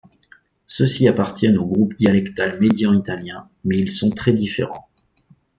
Ceux-ci appartiennent au groupe dialectal médian italien, mais ils sont très différents.